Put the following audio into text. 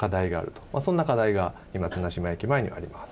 そんな課題が今綱島駅前にはあります。